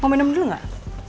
mau minum dulu gak